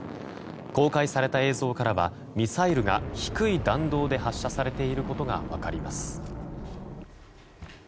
公開された映像からはミサイルが低い弾道で発射されていることが分かります。